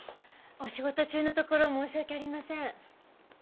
お仕事中のところ申し訳ありません。